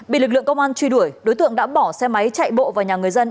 bị lực lượng công an truy đuổi đối tượng đã bỏ xe máy chạy bộ vào nhà người dân